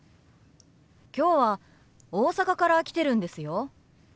今日は大阪から来てるんですよ。